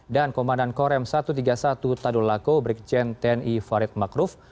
dan komandan korem satu ratus tiga puluh satu tadul lako brigadir jenderal tni farid makruf